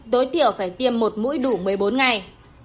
tối thiểu phải tiêm một mũi đủ một mươi bốn ngày